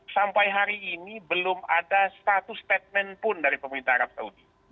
sampai hari ini belum ada status statement pun dari pemerintah arab saudi